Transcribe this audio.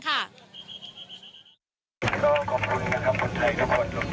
และก็ขอบคุณนะคะคนไทยทุกคน